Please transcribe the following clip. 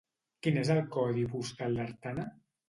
Quin és el codi postal d'Artana?